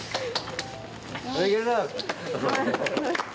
いけるぞ。